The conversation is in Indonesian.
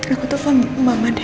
aku telpon mama dem